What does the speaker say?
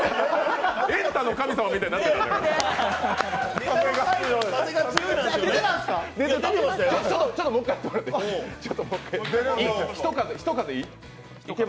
「エンタの神様」みたいになってたもん。